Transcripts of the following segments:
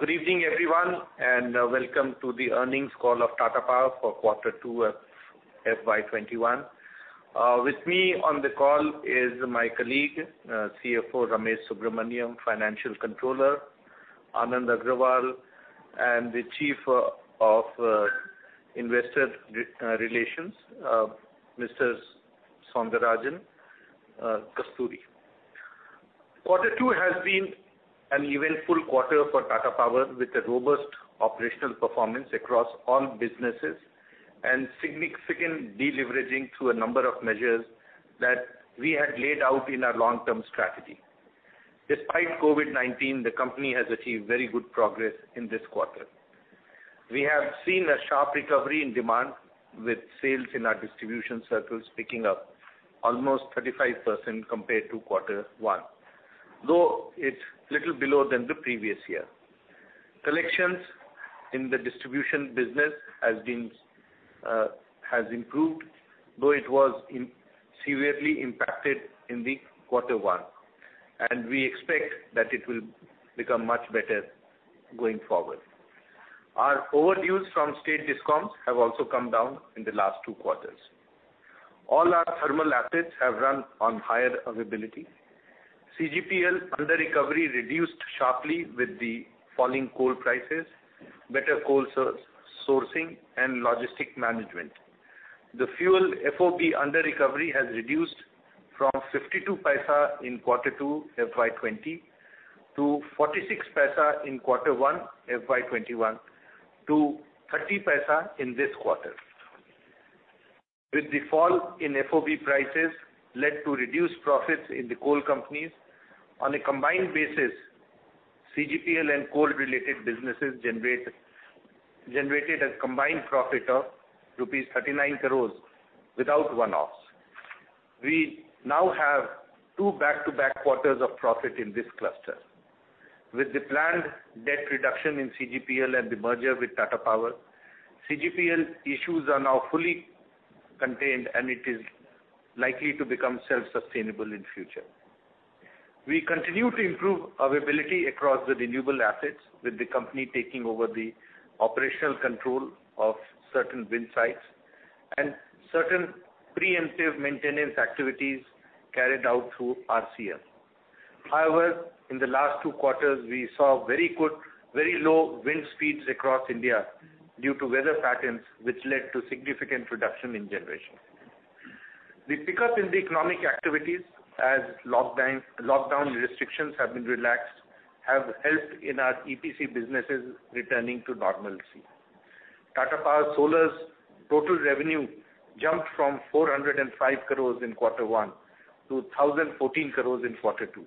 Good evening, everyone, welcome to the earnings call of Tata Power for Q2 of FY 2021. With me on the call is my colleague, CFO Ramesh Subramanyam, Financial Controller Anand Agarwal, The Chief of Investor Relations, Mr. Soundararajan Kasturi. Q2 has been an eventful quarter for Tata Power with a robust operational performance across all businesses and significant deleveraging through a number of measures that we had laid out in our long-term strategy. Despite COVID-19, the company has achieved very good progress in this quarter. We have seen a sharp recovery in demand with sales in our distribution circles picking up almost 35% compared to Q1, though it's a little below than the previous year. Collections in the distribution business has improved, though it was severely impacted in the Q1, We expect that it will become much better going forward. Our overdues from state discoms have also come down in the last two quarters. All our thermal assets have run on higher availability. CGPL under recovery reduced sharply with the falling coal prices, better coal sourcing, and logistic management. The fuel FOB under recovery has reduced from 0.52 in Q2 FY 2020, to 0.46 in Q1 FY 2021, to 0.30 in this quarter. With the fall in FOB prices led to reduced profits in the coal companies. On a combined basis, CGPL and coal related businesses generated a combined profit of rupees 39 crores without one-offs. We now have two back-to-back quarters of profit in this cluster. With the planned debt reduction in CGPL and the merger with Tata Power, CGPL issues are now fully contained, and it is likely to become self-sustainable in future. We continue to improve availability across the renewable assets with the company taking over the operational control of certain wind sites and certain preemptive maintenance activities carried out through RCM. In the last two quarters, we saw very low wind speeds across India due to weather patterns, which led to significant reduction in generation. The pickup in the economic activities as lockdown restrictions have been relaxed have helped in our EPC businesses returning to normalcy. Tata Power Solar's total revenue jumped from 405 crores in quarter one to 1,014 crores in quarter two.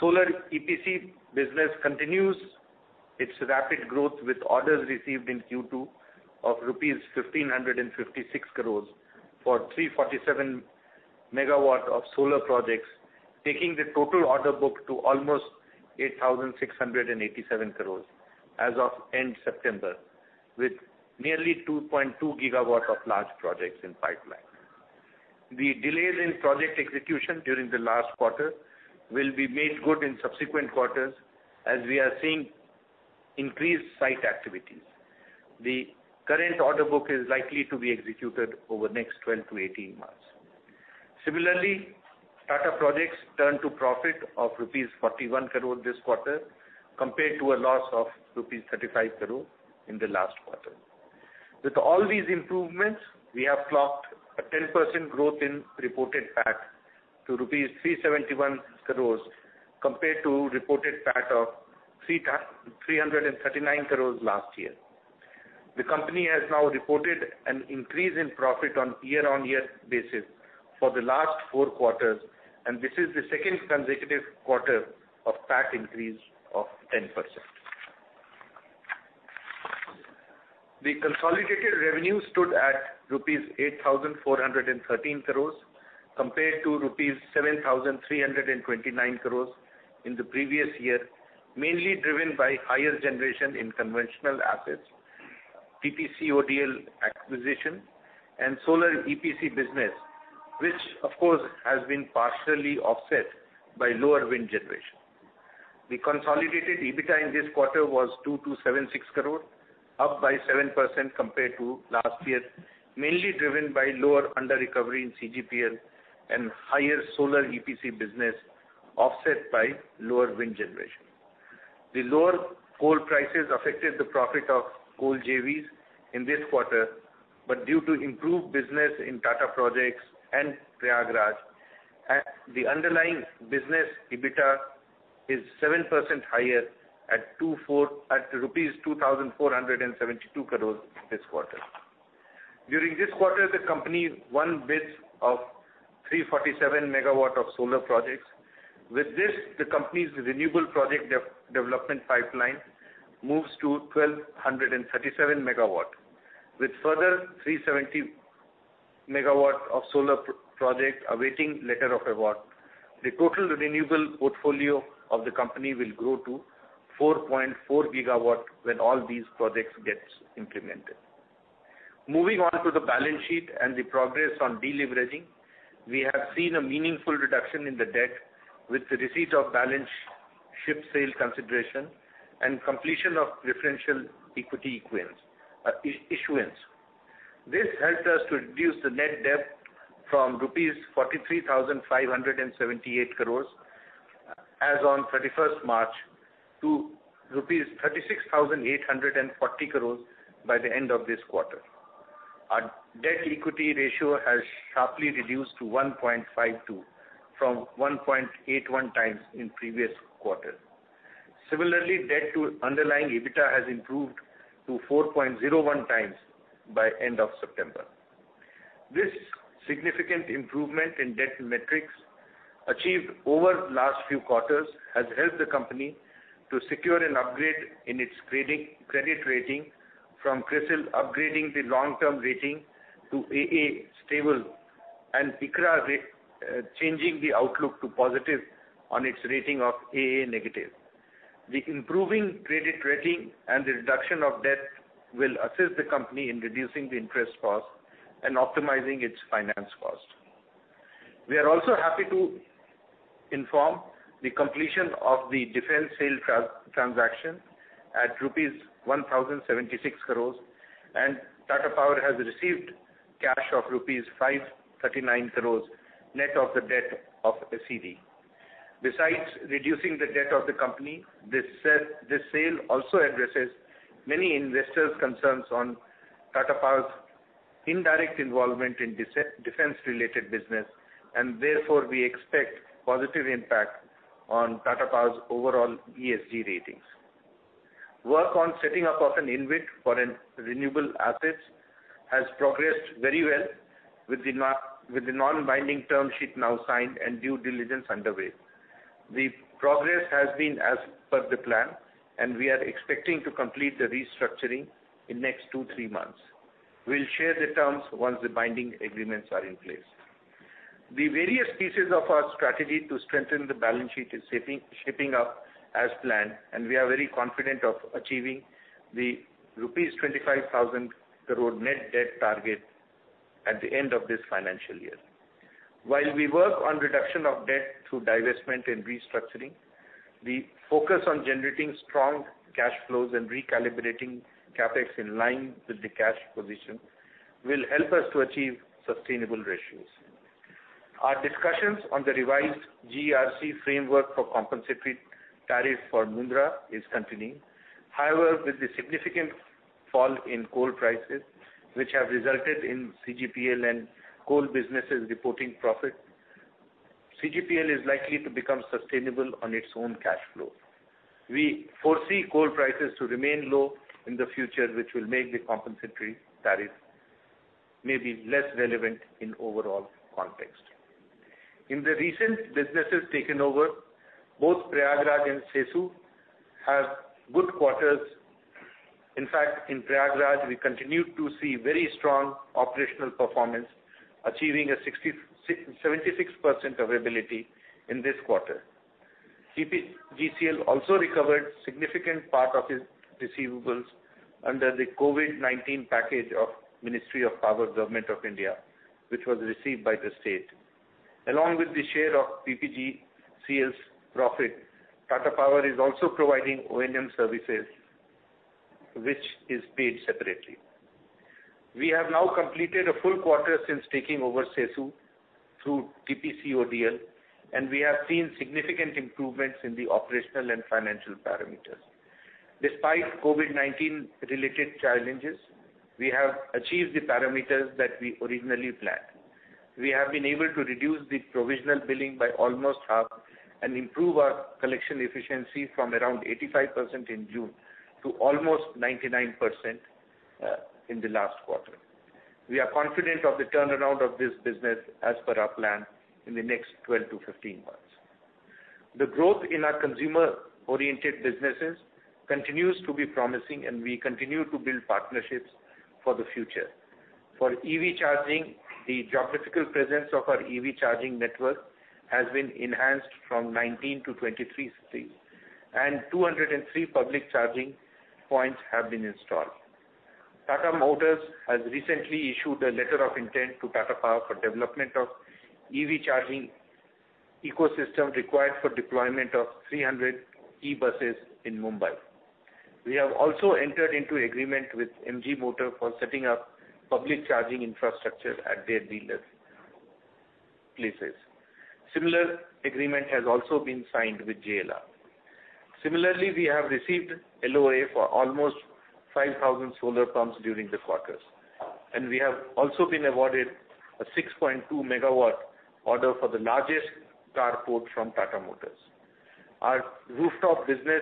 Solar EPC business continues its rapid growth with orders received in Q2 of rupees 1,556 crores for 347 MW of solar projects, taking the total order book to almost 8,687 crores as of end September, with nearly 2.2 GW of large projects in pipeline. The delays in project execution during the last quarter will be made good in subsequent quarters as we are seeing increased site activities. The current order book is likely to be executed over the next 12-18 months. Similarly, Tata Projects turn to profit of rupees 41 crore this quarter compared to a loss of rupees 35 crore in the last quarter. With all these improvements, we have clocked a 10% growth in reported PAT to rupees 371 crore compared to reported PAT of 339 crore last year. The company has now reported an increase in profit on year-on-year basis for the last four quarters, and this is the second consecutive quarter of PAT increase of 10%. The consolidated revenue stood at rupees 8,413 crore compared to INR. 7,329 crore in the previous year, mainly driven by higher generation in conventional assets, TPCODL acquisition, and Solar EPC business, which of course has been partially offset by lower wind generation. The consolidated EBITDA in this quarter was 2,276 crore, up by 7% compared to last year, mainly driven by lower under recovery in CGPL and higher Solar EPC business, offset by lower wind generation. Due to improved business in Tata Projects and Prayagraj, the underlying business EBITDA is 7% higher at rupees 2,472 crore this quarter. During this quarter, the company won bids of 347 MW of solar projects. With this, the company's renewable project development pipeline moves to 1,237 MW. With further 370 MW of solar project awaiting letter of award, the total renewable portfolio of the company will grow to 4.4 GW when all these projects get implemented. Moving on to the balance sheet and the progress on deleveraging. We have seen a meaningful reduction in the debt with the receipt of the balance consideration from ship sale and completion of preferential equity issuance. This helped us to reduce the net debt from rupees 43,578 crore as on 31st March to rupees 36,840 crore by the end of this quarter. Our debt equity ratio has sharply reduced to 1.52x from 1.81x in previous quarter. Similarly, debt to underlying EBITDA has improved to 4.01x by end of September. This significant improvement in debt metrics achieved over last few quarters, has helped the company to secure an upgrade in its credit rating from CRISIL, upgrading the long-term rating to AA stable and ICRA changing the outlook to positive on its rating of AA-. The improving credit rating and the reduction of debt will assist the company in reducing the interest cost and optimizing its finance cost. We are also happy to inform the completion of the defense sale transaction at rupees 1,076 crores, and Tata Power has received cash of rupees 539 crores net of the debt of SED. Besides reducing the debt of the company, this sale also addresses many investors concerns on Tata Power's indirect involvement in defense related business, and therefore we expect positive impact on Tata Power's overall ESG ratings. Work on setting up of an InvIT for renewable assets has progressed very well with the non-binding term sheet now signed and due diligence underway. The progress has been as per the plan and we are expecting to complete the restructuring in next two, three months. We'll share the terms once the binding agreements are in place. The various pieces of our strategy to strengthen the balance sheet is shaping up as planned, and we are very confident of achieving the rupees 25,000 crore net debt target at the end of this financial year. While we work on reduction of debt through divestment and restructuring, the focus on generating strong cash flows and recalibrating CapEx in line with the cash position will help us to achieve sustainable ratios. Our discussions on the revised GERC framework for compensatory tariff for Mundra is continuing. However, with the significant fall in coal prices, which have resulted in CGPL and coal businesses reporting profit, CGPL is likely to become sustainable on its own cash flow. We foresee coal prices to remain low in the future, which will make the compensatory tariff maybe less relevant in overall context. In the recent businesses taken over, both Prayagraj and CESU have good quarters. In fact, in Prayagraj we continue to see very strong operational performance, achieving a 76% availability in this quarter. PPGCL also recovered significant part of its receivables under the COVID-19 package of Ministry of Power, Government of India, which was received by the state. Along with the share of PPGCL's profit, Tata Power is also providing O&M services, which is paid separately. We have now completed a full quarter since taking over CESU through TPCODL, and we have seen significant improvements in the operational and financial parameters. Despite COVID-19 related challenges, we have achieved the parameters that we originally planned. We have been able to reduce the provisional billing by almost half and improve our collection efficiency from around 85% in June to almost 99% in the last quarter. We are confident of the turnaround of this business as per our plan in the next 12-15 months. The growth in our consumer-oriented businesses continues to be promising and we continue to build partnerships for the future. For EV charging, the geographical presence of our EV charging network has been enhanced from 19 to 23 cities, and 203 public charging points have been installed. Tata Motors has recently issued a letter of intent to Tata Power for development of EV charging ecosystem required for deployment of 300 e-buses in Mumbai. We have also entered into agreement with MG Motor for setting up public charging infrastructure at their dealer places. Similar agreement has also been signed with JLR. Similarly, we have received LOA for almost 5,000 solar pumps during the quarters, and we have also been awarded a 6.2 MW order for the largest carport from Tata Motors. Our rooftop business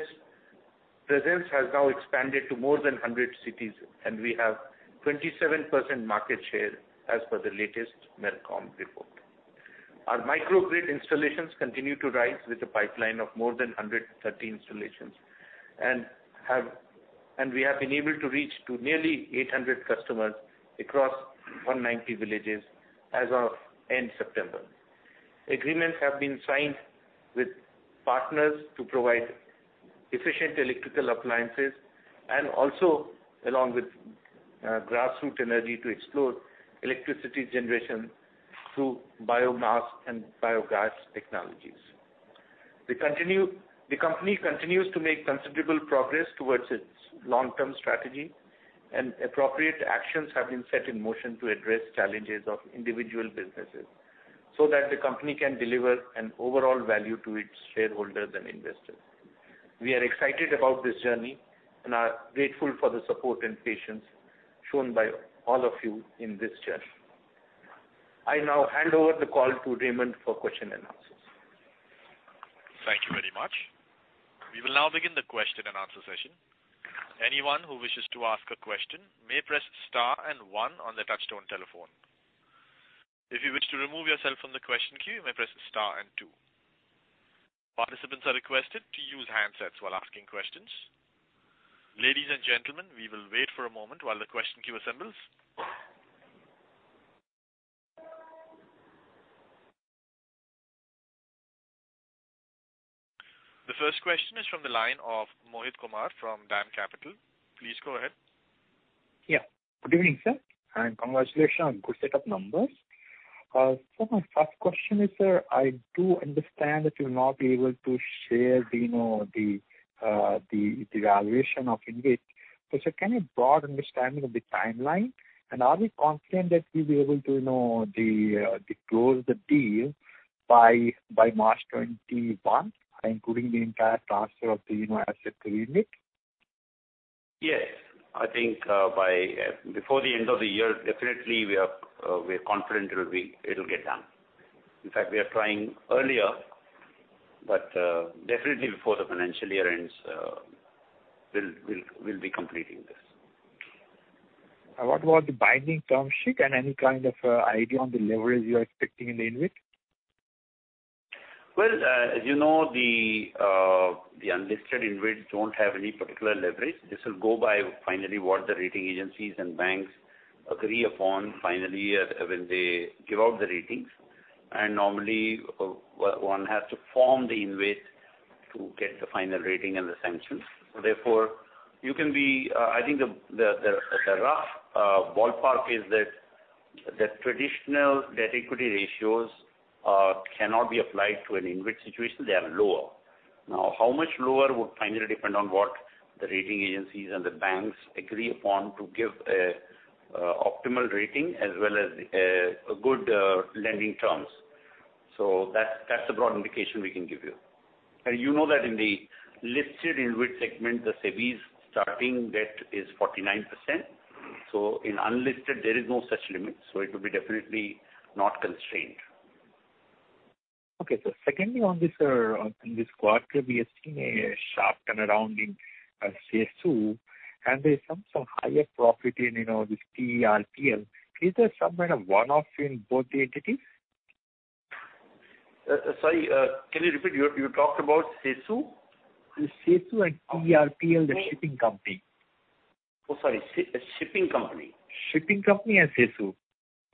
presence has now expanded to more than 100 cities, and we have 27% market share as per the latest Mercom report. Our microgrid installations continue to rise with a pipeline of more than 130 installations, and we have been able to reach to nearly 800 customers across 190 villages as of end September. Agreements have been signed with partners to provide efficient electrical appliances and also along with Grassroot Energy to explore electricity generation through biomass and biogas technologies. The company continues to make considerable progress towards its long-term strategy, and appropriate actions have been set in motion to address challenges of individual businesses so that the company can deliver an overall value to its shareholders and investors. We are excited about this journey and are grateful for the support and patience shown by all of you in this journey. I now hand over the call to Raymond for question and answers. Thank you very much. We will now begin the question and answer session. Anyone who wishes to ask a question may press star and one on their touchtone telephone. If you wish to remove yourself from the question queue, you may press star and two. Participants are requested to use handsets while asking questions. Ladies and gentlemen, we will wait for a moment while the question queue assembles. The first question is from the line of Mohit Kumar from DAM Capital. Please go ahead. Good evening, sir, and congratulations. Good set of numbers. My first question is, sir, I do understand that you will not be able to share the valuation of InvIT. Sir, can you broad understanding of the timeline, and are we confident that we'll be able to close the deal by March 2021, including the entire transfer of the asset to InvIT? Yes. I think before the end of the year, definitely we're confident it'll get done. In fact, we are trying earlier, but definitely before the financial year ends, we'll be completing this. What about the binding term sheet and any kind of idea on the leverage you are expecting in the InvIT? Well, as you know, the unlisted InvIT don't have any particular leverage. This will go by finally what the rating agencies and banks agree upon finally, when they give out the ratings. Normally, one has to form the InvIT to get the final rating and the sanctions. Therefore, I think the rough ballpark is that traditional debt equity ratios cannot be applied to an InvIT situation. They are lower. Now, how much lower would finally depend on what the rating agencies and the banks agree upon to give a optimal rating as well as a good lending terms. That's the broad indication we can give you. You know that in the listed InvIT segment, the SEBI's starting debt is 49%. In unlisted, there is no such limit, it will be definitely not constrained. Okay, sir. On this quarter, we are seeing a sharp turnaround in CESU, and there's some higher profit in this TERPL. Is there some kind of one-off in both the entities? Sorry, can you repeat? You talked about CESU? CESU and TERPL, the shipping company. Oh, sorry. Shipping company. Shipping company and CESU.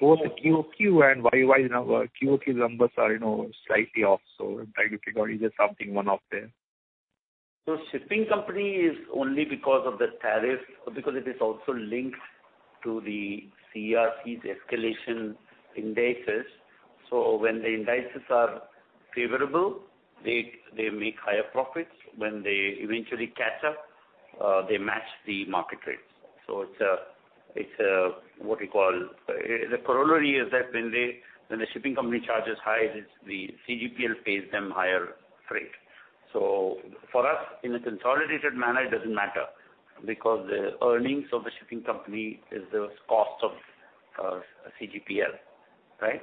Both the QoQ and YoY numbers, QoQ numbers are slightly off. I'm trying to figure out is there something one off there. Shipping company is only because of the tariff, because it is also linked to the CERC, the escalation indices. When the indices are favorable, they make higher profits. When they eventually catch up, they match the market rates. It's what we call, the corollary is that when the shipping company charges high, the CGPL pays them higher freight. For us, in a consolidated manner, it doesn't matter because the earnings of the shipping company is the cost of CGPL, right?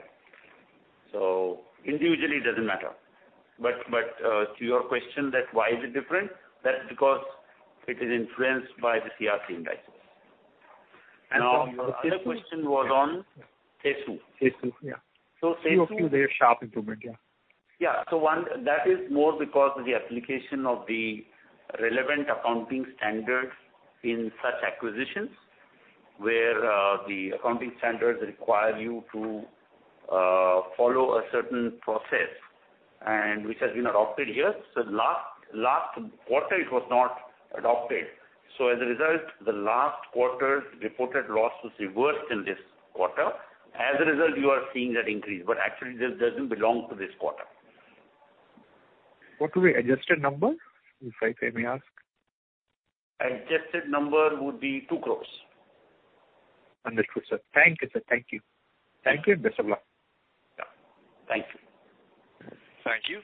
Individually, it doesn't matter. To your question that why is it different? That's because it is influenced by the CERC indices. The other question was on CESU. CESU, yeah. So CESU- QoQ, there's sharp improvement, yeah. Yeah. One, that is more because of the application of the relevant accounting standards in such acquisitions, where the accounting standards require you to follow a certain process, and which has been adopted here. Last quarter, it was not adopted. As a result, the last quarter reported loss was worse than this quarter. As a result, you are seeing that increase. Actually, this doesn't belong to this quarter. What will be adjusted number, if I may ask? Adjusted number would be 2 crores. Understood, sir. Thank you, sir. Thank you. Yeah. Thank you. Best of luck. Yeah. Thank you. Thank you.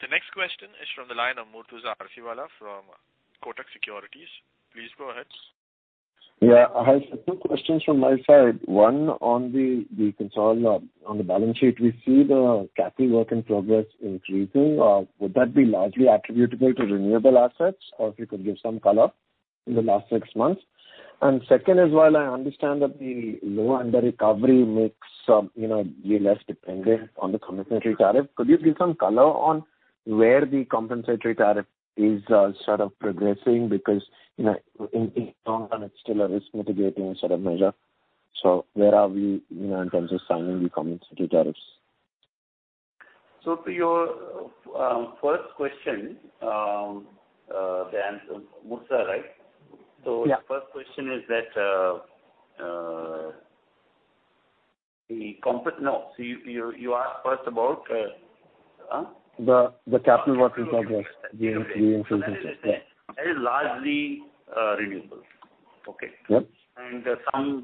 The next question is from the line of Murtuza Arsiwalla from Kotak Securities. Please go ahead. Yeah. I have two questions from my side. One on the balance sheet, we see the capital work in progress increasing. Would that be largely attributable to renewable assets? If you could give some color in the last six months. Second is, while I understand that the low under recovery makes us less dependent on the committed tariff, could you give some color on where the compensatory tariff is sort of progressing because, in the long run, it's still a risk-mitigating sort of measure. Where are we in terms of signing the compensatory tariffs? To your first question, Murtuza, right? Yeah. Your first question is that the capital work. You asked first about, huh? The capital work-in-progress. That is largely renewable. Okay. Yep.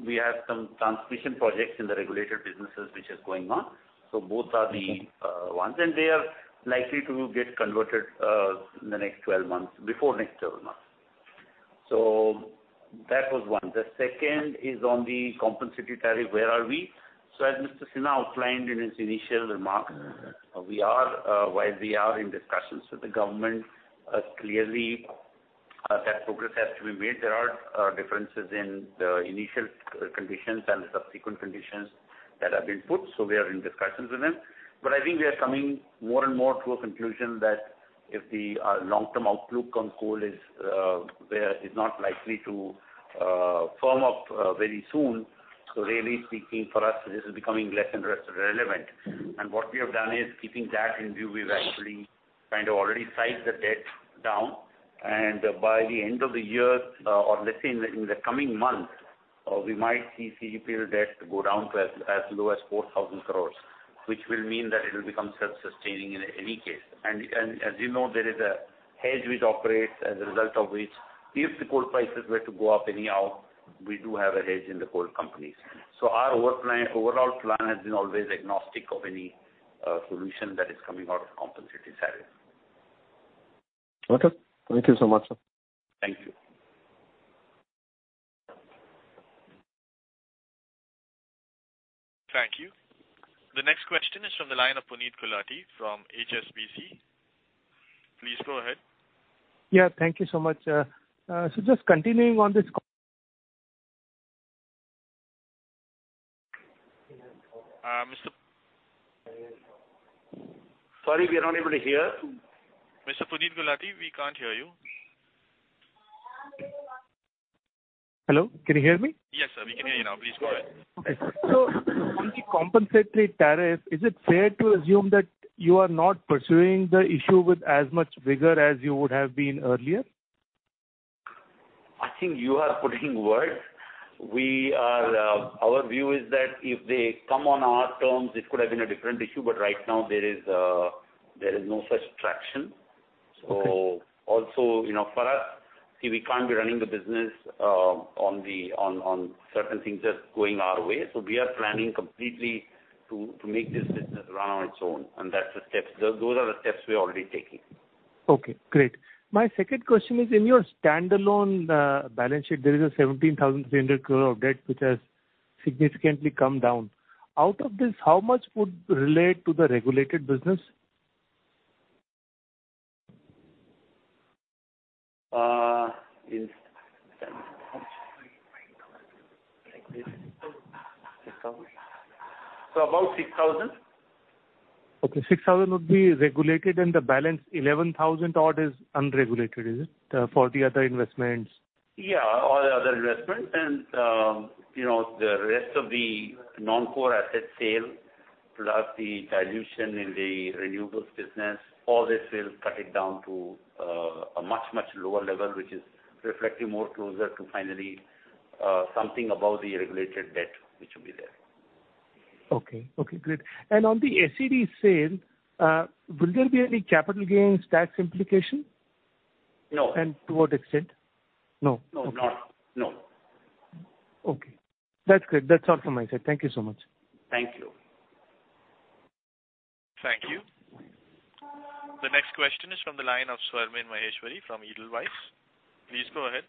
We have some transmission projects in the regulated businesses, which is going on. Both are the ones, and they are likely to get converted before next 12 months. That was one. The second is on the compensatory tariff. Where are we? As Mr. Sinha outlined in his initial remarks, while we are in discussions with the government, clearly that progress has to be made. There are differences in the initial conditions and the subsequent conditions that have been put. We are in discussions with them. I think we are coming more and more to a conclusion that if the long-term outlook on coal is not likely to firm up very soon. Really speaking for us, this is becoming less and less relevant. What we have done is, keeping that in view, we've actually kind of already sized the debt down, and by the end of the year, or let's say in the coming months, we might see CGPL debt go down to as low as 4,000 crore. Which will mean that it will become self-sustaining in any case. As you know, there is a hedge which operates as a result of which, if the coal prices were to go up anyhow, we do have a hedge in the coal companies. Our overall plan has been always agnostic of any solution that is coming out of compensatory tariff. Okay. Thank you so much, sir. Thank you. Thank you. The next question is from the line of Puneet Gulati from HSBC. Please go ahead. Yeah, thank you so much. Just continuing on this Sorry, we are not able to hear. Mr. Puneet Gulati, we can't hear you. Hello, can you hear me? Yes, sir, we can hear you now. Please go ahead. On the compensatory tariff, is it fair to assume that you are not pursuing the issue with as much vigor as you would have been earlier? I think you are putting words. Our view is that if they come on our terms, it could have been a different issue. Right now, there is no such traction. Okay. Also, for us, see, we can't be running the business on certain things just going our way. We are planning completely to make this business run on its own. Those are the steps we're already taking. Okay, great. My second question is, in your standalone balance sheet, there is 17,300 crore of debt, which has significantly come down. Out of this, how much would relate to the regulated business? About 6,000 crore. Okay, 6,000 crore would be regulated and the balance 11,000 crore odd is unregulated. Is it? For the other investments. Yeah, all the other investments and the rest of the non-core asset sale, plus the dilution in the renewables business, all this will cut it down to a much, much lower level, which is reflecting more closer to finally something above the regulated debt, which will be there. Okay. Okay, great. On the SED sale, will there be any capital gains tax implication? No. To what extent? No. No. Okay. That's great. That's all from my side. Thank you so much. Thank you. Thank you. The next question is from the line of Swarnim Maheshwari from Edelweiss. Please go ahead.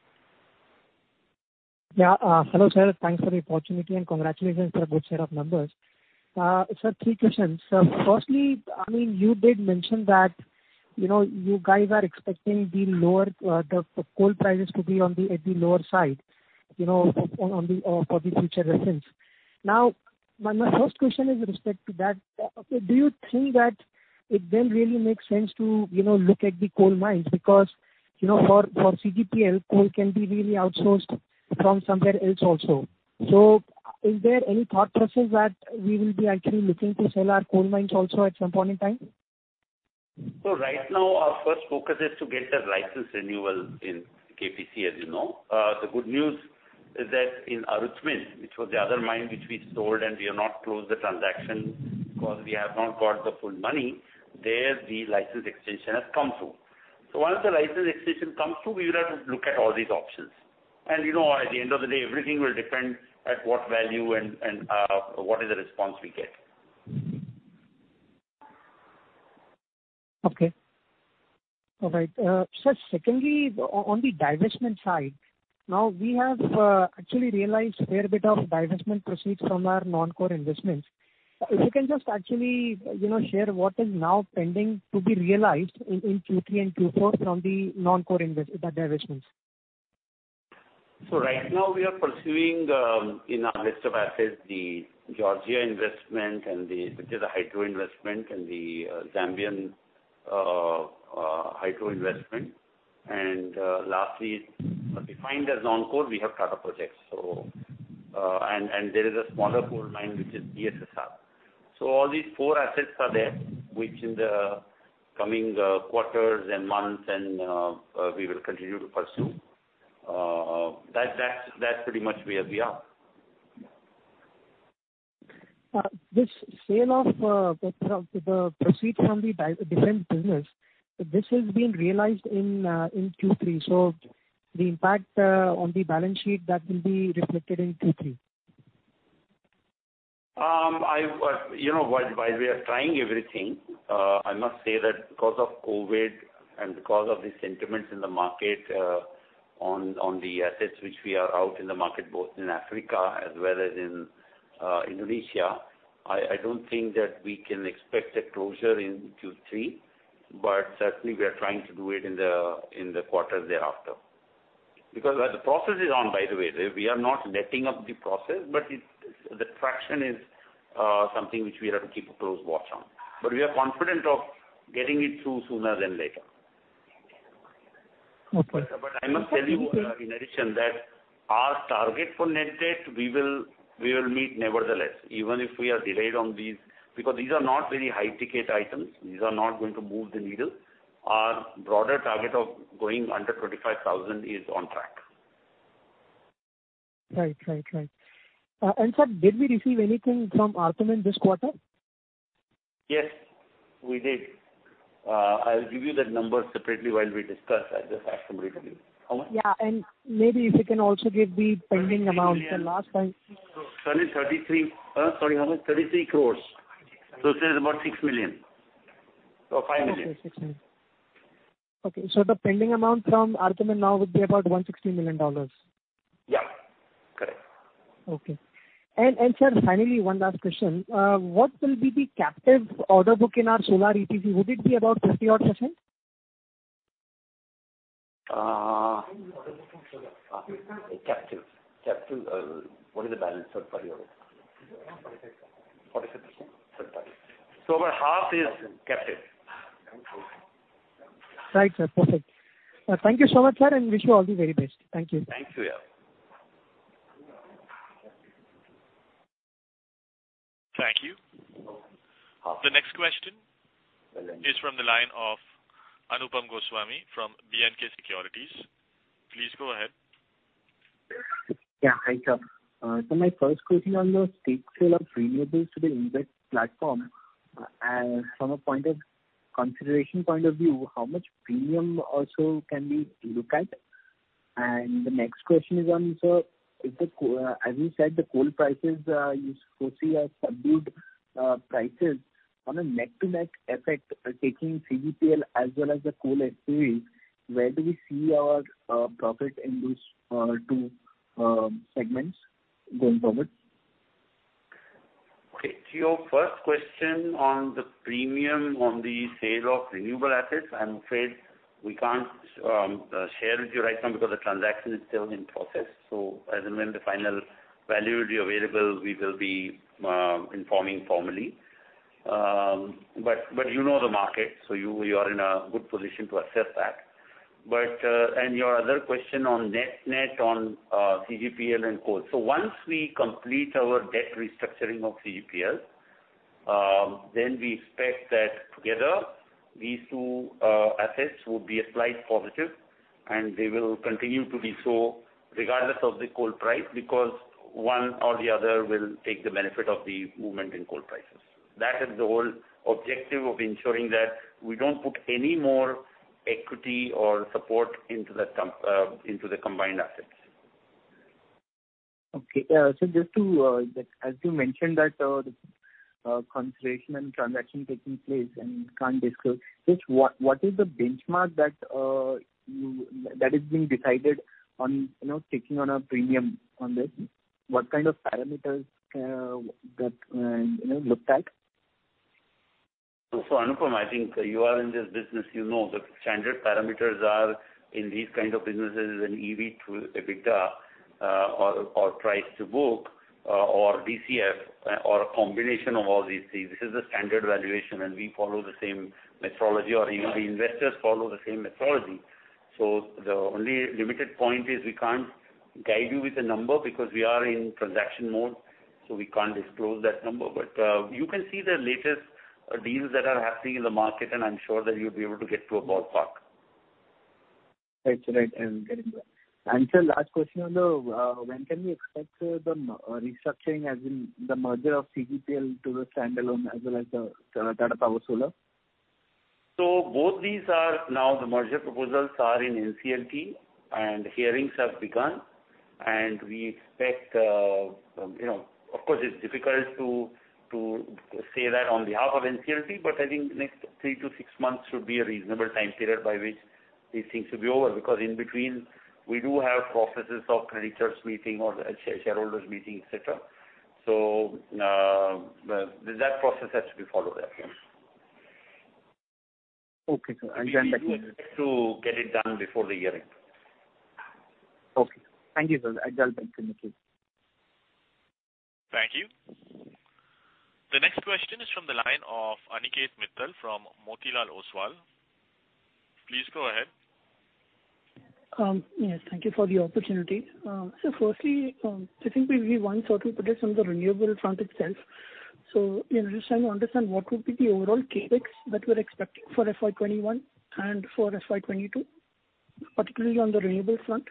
Hello, sir. Thanks for the opportunity and congratulations for a good set of numbers. Sir, three questions. Firstly, you did mention that you guys are expecting the coal prices to be at the lower side for the future reference. My first question is with respect to that. Do you think that it then really makes sense to look at the coal mines because, for CGPL, coal can be really outsourced from somewhere else also. Is there any thought process that we will be actually looking to sell our coal mines also at some point in time? Right now, our first focus is to get the license renewal in KPCL, as you know. The good news is that in Arutmin, which was the other mine which we sold, and we have not closed the transaction because we have not got the full money. There, the license extension has come through. Once the license extension comes through, we would have to look at all these options. At the end of the day, everything will depend at what value and what is the response we get. Okay. All right. Sir, secondly, on the divestment side. We have actually realized fair bit of divestment proceeds from our non-core investments. If you can just actually share what is now pending to be realized in Q3 and Q4 from the non-core divestments. Right now we are pursuing in our list of assets, the Georgia investment, which is a hydro investment, and the Zambian hydro investment. Lastly, defined as non-core, we have Tata Projects. There is a smaller coal mine, which is BSSR. All these four assets are there, which in the coming quarters and months we will continue to pursue. That is pretty much where we are. This sale of the proceeds from the Defense business, this has been realized in Q3. The impact on the balance sheet that will be reflected in Q3. While we are trying everything, I must say that because of COVID and because of the sentiments in the market on the assets which we are out in the market, both in Africa as well as in Indonesia, I don't think that we can expect a closure in Q3. Certainly, we are trying to do it in the quarter thereafter. The process is on, by the way. We are not letting up the process, but the traction is something which we have to keep a close watch on. We are confident of getting it through sooner than later. Okay. I must tell you in addition, that our target for net debt, we will meet nevertheless, even if we are delayed on these, because these are not very high-ticket items. These are not going to move the needle. Our broader target of going under 25,000 is on track. Right. sir, did we receive anything from Arutmin in this quarter? Yes, we did. I'll give you that number separately while we discuss. I just ask somebody to give. How much? Yeah, maybe if you can also give the pending amount the last time. 33 crores. Sorry, how much? 33 crores. It is about $6 million.$ 5 million. Okay, the pending amount from Arutmin now would be about $160 million. Yeah. Correct. Okay. Sir, finally, one last question. What will be the captive order book in our solar EPC? Would it be about 50-odd%? Captive. About half is captive. Right, sir. Perfect. Thank you so much, sir, and wish you all the very best. Thank you. Thanks, Swarnim. Thank you. The next question is from the line of Anupam Goswami from B&K Securities. Please go ahead. Yeah, hi sir. My first question on the stake sale of renewables to the InvIT platform. From a consideration point of view, how much premium also can we look at? The next question is on, sir, as you said, the coal prices you foresee are subdued prices. On a net-to-net effect, taking CGPL as well as the coal SPVs, where do we see our profit in those two segments going forward? To your first question on the premium on the sale of renewable assets, I'm afraid we can't share with you right now because the transaction is still in process. As and when the final value will be available, we will be informing formally. You know the market, so you are in a good position to assess that. Your other question on net-net on CGPL and coal. Once we complete our debt restructuring of CGPL, then we expect that together these two assets would be a slight positive, and they will continue to be so regardless of the coal price, because one or the other will take the benefit of the movement in coal prices. That is the whole objective of ensuring that we don't put any more equity or support into the combined assets. Okay. Sir, as you mentioned that the consideration and transaction taking place and you can't disclose, just what is the benchmark that is being decided on taking on a premium on this? What kind of parameters got looked at? Anupam, I think you are in this business, you know the standard parameters are in these kind of businesses an EV to EBITDA or price to book or DCF or a combination of all these things. This is the standard valuation, and we follow the same methodology, or the investors follow the same methodology. The only limited point is we can't guide you with a number because we are in transaction mode, so we can't disclose that number. You can see the latest deals that are happening in the market, and I'm sure that you'll be able to get to a ballpark. Right. I'm getting that. Sir, last question. When can we expect the restructuring as in the merger of CGPL to the standalone as well as the Tata Power Solar? Both these are now the merger proposals are in NCLT, and hearings have begun. Of course, it is difficult to say that on behalf of NCLT, but I think next three to six months should be a reasonable time period by which these things should be over. In between, we do have processes of creditors meeting or shareholders meeting, et cetera. That process has to be followed up, yes. Okay, sir. We do expect to get it done before the year end. Okay. Thank you, sir. I'll get back to you. Thank you. The next question is from the line of Aniket Mittal from Motilal Oswal. Please go ahead. Yes, thank you for the opportunity. Sir, firstly, I think we view one sort of product from the renewable front itself. Just trying to understand what would be the overall CapEx that we're expecting for FY 2021 and for FY 2022, particularly on the renewable front.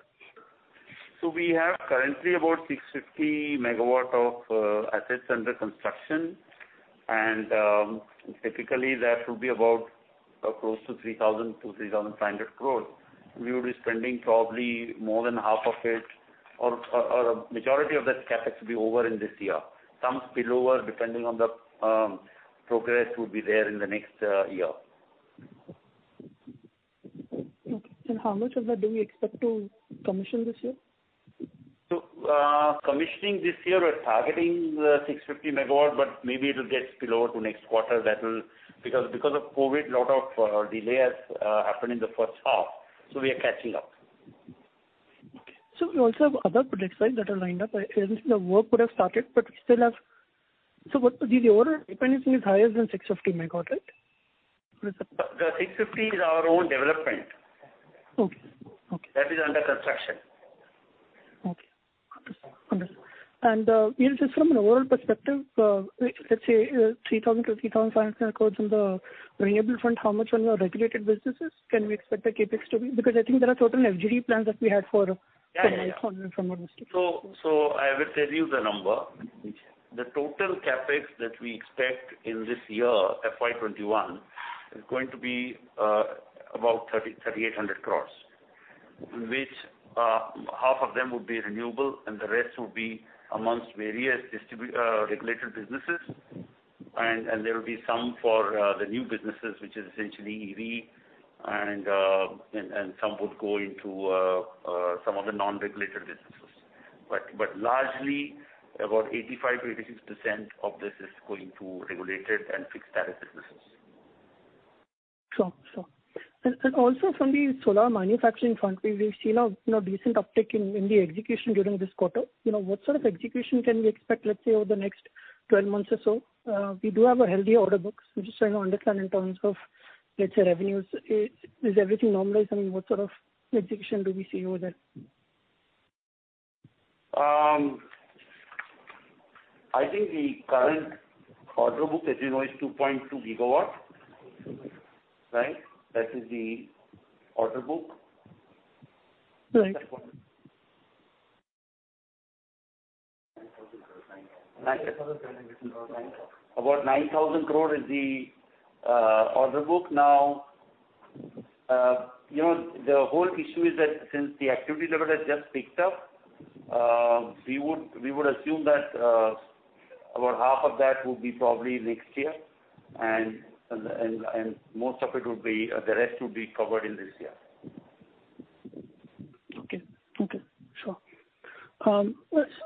We have currently about 650 MW of assets under construction, and typically that will be about close to 3,000 crore-3,500 crore. We will be spending probably more than half of it or a majority of that CapEx will be over in this year. Some spillover depending on the progress will be there in the next year. Okay. How much of that do we expect to commission this year? Commissioning this year, we're targeting 650 MW, but maybe it'll get spillover to next quarter because of COVID, a lot of delays happened in the first half, so we are catching up. Okay. We also have other products that are lined up. I assume the work would have started. The overall dependency is higher than 650 MW, right? The 650 is our own development. Okay. That is under construction. Okay. Understood. Just from an overall perspective, let's say 3,000 crore-3,500 crores on the renewable front, how much on your regulated businesses can we expect the CapEx to be? I think there are total FGD plans that we had for- Yeah. If I'm not mistaken. I will tell you the number. The total CapEx that we expect in this year, FY 2021, is going to be about 3,800 crore. Which half of them would be renewable, and the rest would be amongst various regulated businesses. There will be some for the new businesses, which is essentially EV, and some would go into some of the non-regulated businesses. Largely, about 85%-86% of this is going to regulated and fixed-asset businesses. Sure. Also from the solar manufacturing front, we've seen a decent uptick in the execution during this quarter. What sort of execution can we expect, let's say, over the next 12 months or so? We do have a healthy order book. I'm just trying to understand in terms of, let's say, revenues. Is everything normalized? I mean, what sort of execution do we see over there? I think the current order book, as you know, is 2.2 GW, right? That is the order book. Right. About 9,000 crore is the order book now. The whole issue is that since the activity level has just picked up, we would assume that about half of that would be probably next year, and the rest would be covered in this year. Okay. Sure.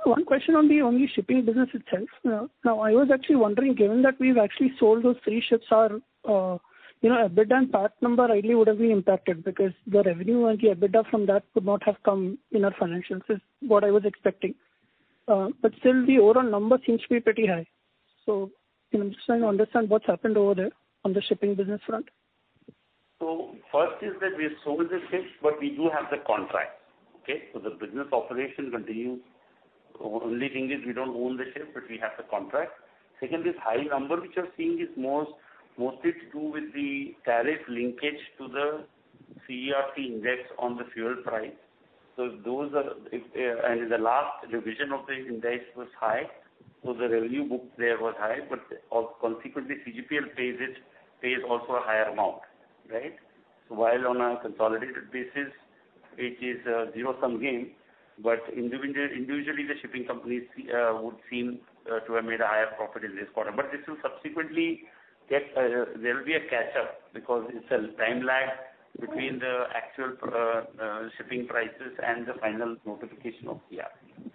One question on the shipping business itself. I was actually wondering, given that we've actually sold those three ships, our EBITDA and PAT number ideally would have been impacted because the revenue and the EBITDA from that would not have come in our financials, is what I was expecting. Still the overall number seems to be pretty high. I'm just trying to understand what's happened over there on the shipping business front. First is that we've sold the ships, but we do have the contract. Okay? The business operation continues. Only thing is we don't own the ship, but we have the contract. Second is high number, which you're seeing is mostly to do with the tariff linkage to the CERC index on the fuel price. The last revision of the index was high, so the revenue book there was high, but consequently, CGPL pays also a higher amount. Right? While on a consolidated basis, it is a zero-sum game, but individually, the shipping companies would seem to have made a higher profit in this quarter. There will be a catch-up because it's a time lag between the actual shipping prices and the final notification of CERC.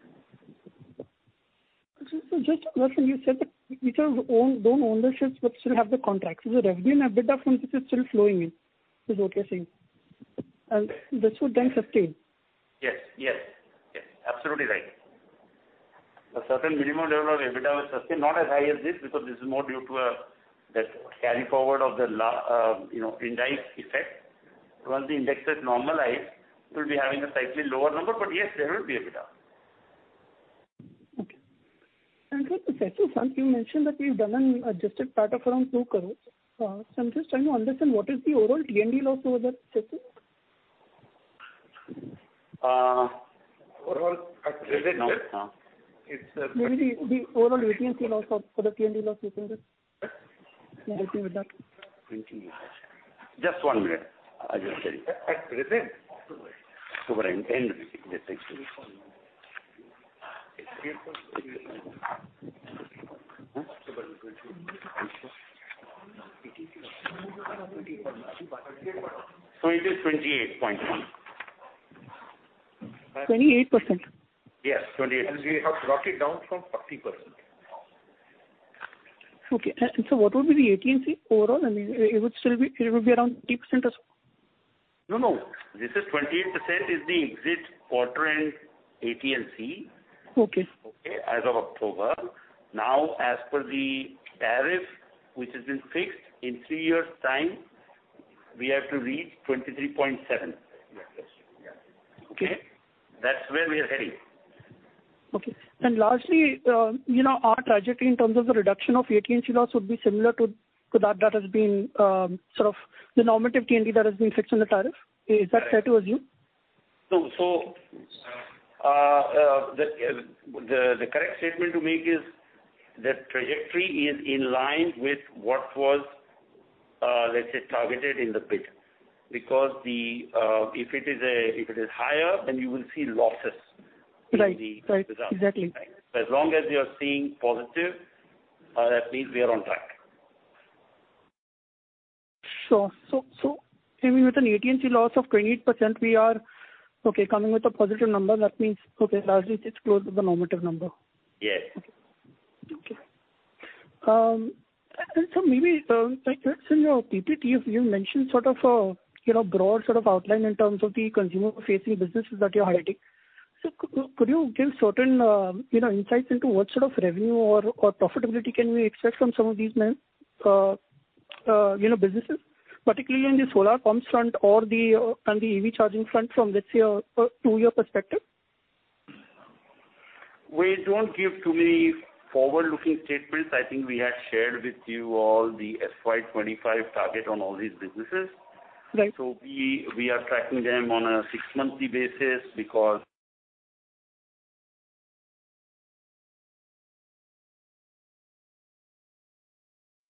Just to confirm, you said that you don't own the ships but still have the contracts. The revenue and EBITDA from this is still flowing in, is what you're saying. This would then sustain. Yes. Absolutely right. A certain minimum level of EBITDA will sustain, not as high as this, because this is more due to that carry-forward of the index effect. Once the index is normalized, it will be having a slightly lower number, but yes, there will be EBITDA. Okay. Second, you mentioned that you've done an adjusted PAT of around 2 crores. I'm just trying to understand what is the overall AT&C loss over that, say, two? Overall- Maybe the overall AT&C loss you think is helping with that. Just one minute. I'll just tell you. It is 28.1%. 28%? Yes, 28%. We have brought it down from 30% now. Okay. Sir, what would be the AT&C overall? It would be around 30% or so? No, this is 28% is the exit quarter end AT&C. Okay. Okay. As of October. As per the tariff, which has been fixed in three years' time, we have to reach 23.7. Okay? That's where we are heading. Okay. Largely, our trajectory in terms of the reduction of AT&C loss would be similar to that has been sort of the normative T&D that has been fixed in the tariff. Is that fair to assume? The correct statement to make is that trajectory is in line with what was, let's say, targeted in the bid. If it is higher, then you will see losses. Right in the results. Exactly. As long as you're seeing positive, that means we are on track. Sure. Maybe with an AT&C loss of 28%, we are coming with a positive number. That means, largely it's close to the normative number. Yes. Okay. Sir, maybe, like that's in your PPT, you've mentioned sort of a broad sort of outline in terms of the consumer-facing businesses that you're highlighting. Sir, could you give certain insights into what sort of revenue or profitability can we expect from some of these businesses, particularly in the solar pumps front and the EV charging front from, let's say, a two-year perspective? We don't give too many forward-looking statements. I think we had shared with you all the FY 2025 target on all these businesses. Right. We are tracking them on a six-monthly basis because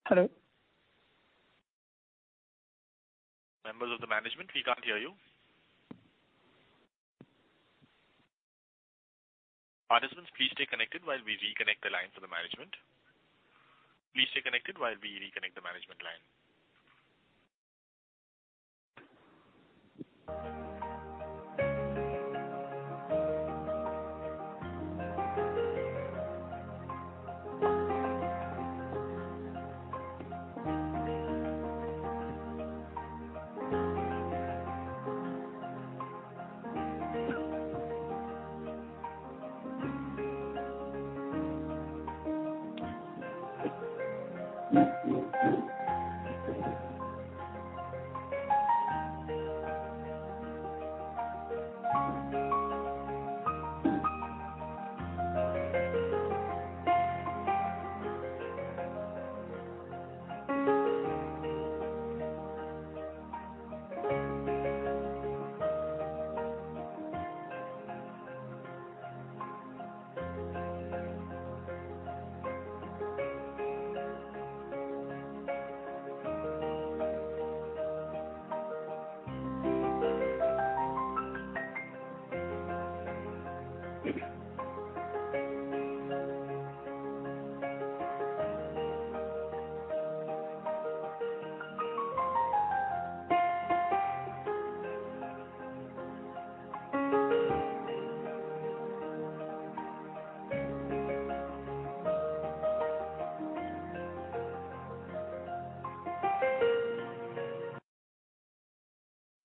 Hello? Members of the management, we can't hear you. Participants, please stay connected while we reconnect the line for the management. Please stay connected while we reconnect the management line.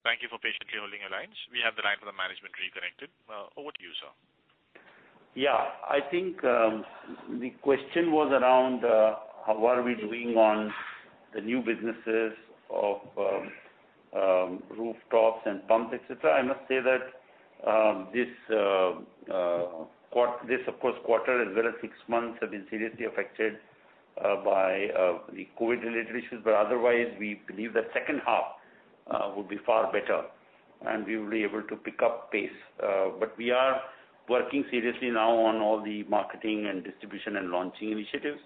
Thank you for patiently holding your lines. We have the line for the management reconnected. Over to you, sir. Yeah. I think, the question was around how are we doing on the new businesses of rooftops and pumps, et cetera. I must say that, this, of course, quarter as well as six months have been seriously affected by the COVID-related issues. Otherwise, we believe the second half will be far better, and we will be able to pick up pace. We are working seriously now on all the marketing and distribution and launching initiatives.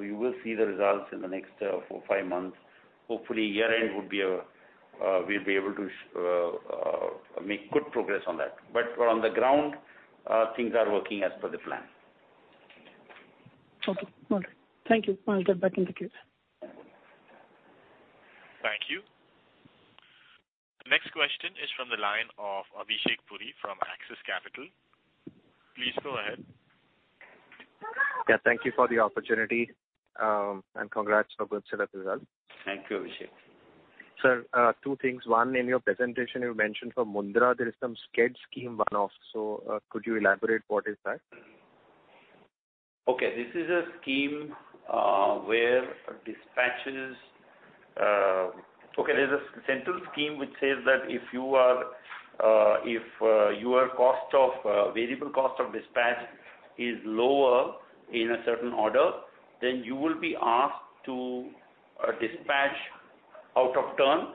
You will see the results in the next four, five months. Hopefully, year-end, we'll be able to make good progress on that. On the ground, things are working as per the plan. Okay. All right. Thank you. I will get back in the queue. Thank you. Next question is from the line of Abhishek Puri from Axis Capital. Please go ahead. Yeah, thank you for the opportunity, and congrats for good set of results. Thank you, Abhishek. Sir, two things. In your presentation, you mentioned for Mundra, there is some SCED scheme one-off. Could you elaborate what is that? Okay. This is a scheme where there is a central scheme which says that if your variable cost of dispatch is lower in a certain order, then you will be asked to dispatch out of turn,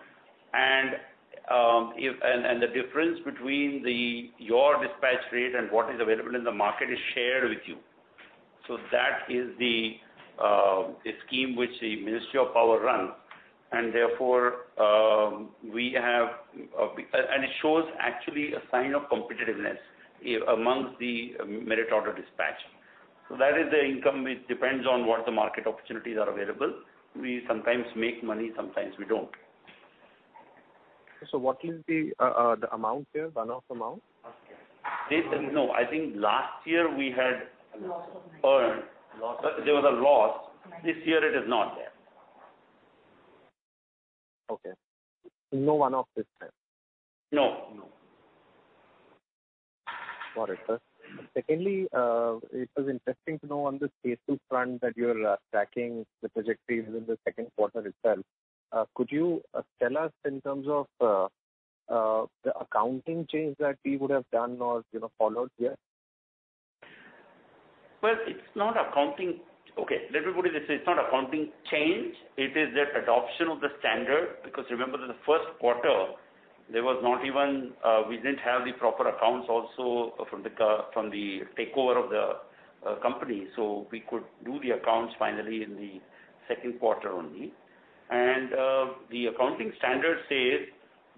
and the difference between your dispatch rate and what is available in the market is shared with you. That is the scheme which the Ministry of Power runs, and it shows actually a sign of competitiveness amongst the merit order dispatch. That is the income. It depends on what the market opportunities are available. We sometimes make money, sometimes we don't. What is the amount here, one-off amount? I think last year we had earned. There was a loss. This year it is not there. Okay. No one-off this time. No. Got it, sir. It was interesting to know on the CESU front that you're tracking the trajectories in the second quarter itself. Could you tell us in terms of the accounting change that we would have done or followed here? It's not accounting. Let me put it this way, it's not accounting change, it is just adoption of the standard. Remember, in the first quarter, we didn't have the proper accounts also from the takeover of the company. We could do the accounts finally in the second quarter only. The accounting standard says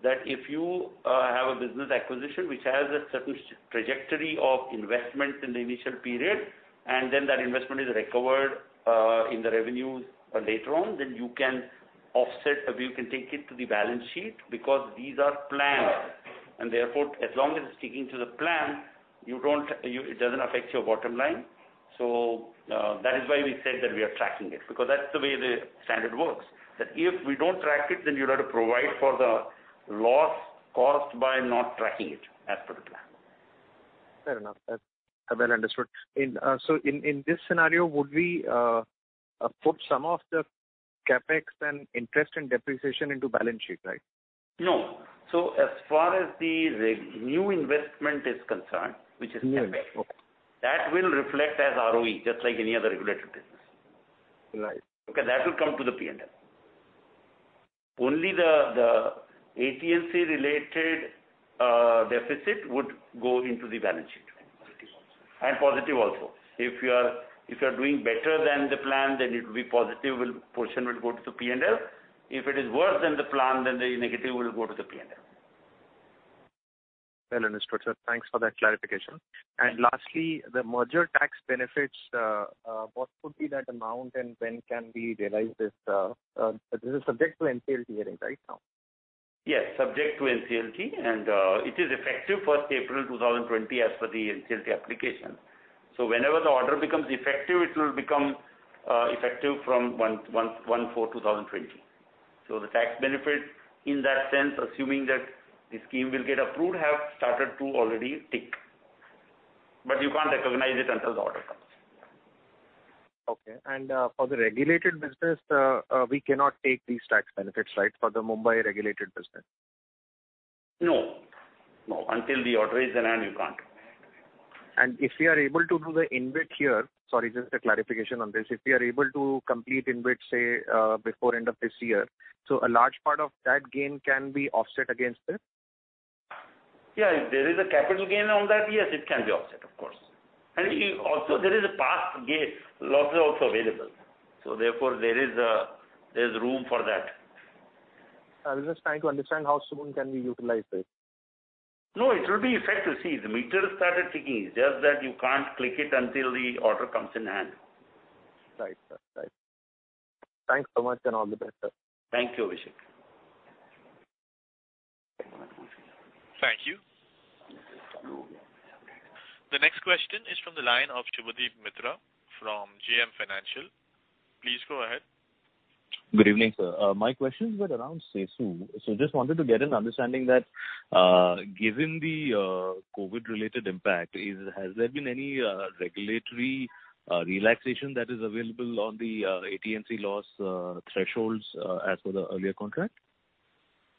that if you have a business acquisition which has a certain trajectory of investment in the initial period, then that investment is recovered in the revenues later on, then you can offset, or you can take it to the balance sheet because these are planned. Therefore, as long as it's sticking to the plan, it doesn't affect your bottom line. That is why we said that we are tracking it, because that's the way the standard works. That if we don't track it, then you'll have to provide for the loss caused by not tracking it as per the plan. Fair enough. That's well understood. In this scenario, would we put some of the CapEx and interest and depreciation into balance sheet, right? No. as far as the new investment is concerned, which is CapEx- Yes. Okay. that will reflect as ROE, just like any other regulated business. Right. Okay. That will come to the P&L. Only the AT&C related deficit would go into the balance sheet. Positive also. Positive also. If you are doing better than the plan, then it will be positive. Portion will go to the P&L. If it is worse than the plan, then the negative will go to the P&L. Well understood, sir. Thanks for that clarification. Lastly, the merger tax benefits, what would be that amount and when can we realize this? This is subject to NCLT hearing, right now. Yes, subject to NCLT, and it is effective April 1st 2020 as per the NCLT application. Whenever the order becomes effective, it will become effective from April 1st 2020. The tax benefit in that sense, assuming that the scheme will get approved, have started to already tick. You can't recognize it until the order comes. Okay. For the regulated business, we cannot take these tax benefits, right? For the Mumbai regulated business. No. No. Until the order is in hand, you can't. If we are able to do the InvIT here, sorry, just a clarification on this. If we are able to complete InvIT say, before end of this year, a large part of that gain can be offset against this? Yeah. If there is a capital gain on that, yes, it can be offset, of course. Also there is a past gain, losses also available. Therefore, there's room for that. I was just trying to understand how soon can we utilize this. No, it will be effective. See, the meter has started ticking. It's just that you can't click it until the order comes in hand. Right, sir. Thanks so much, and all the best, sir. Thank you, Abhishek. Thank you. The next question is from the line of Subhadip Mitra from JM Financial. Please go ahead. Good evening, sir. My questions were around CESU. Just wanted to get an understanding that, given the COVID related impact, has there been any regulatory relaxation that is available on the AT&C loss thresholds as per the earlier contract?